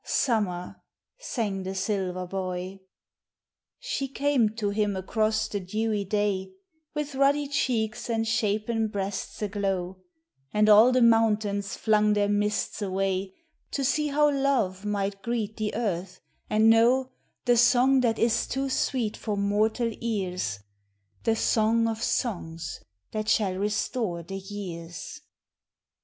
summer ! sang the silver boy. She came to him across the dewy day, With ruddy cheeks and shapen breasts aglow, And all the mountains flung their mists away To see how Love might greet the earth, and know The song that is too sweet for mortal ears, The song of songs that shall restore the years.